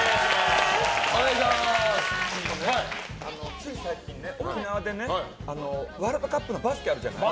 つい最近ね、沖縄でねワールドカップのバスケあるじゃない。